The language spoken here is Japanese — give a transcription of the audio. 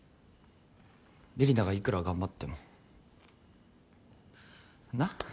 李里奈がいくら頑張っても。な？